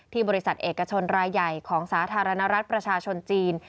บริษัทเอกชนรายใหญ่ของสาธารณรัฐประชาชนจีน